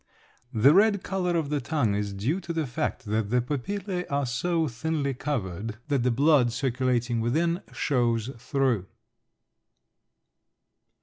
The red color of the tongue is due to the fact that the papillæ are so thinly covered that the blood circulating within shows through.